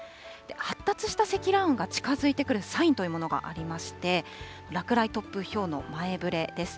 発達した積乱雲が近づいてくるサインというものがありまして、落雷、突風、ひょうの前触れです。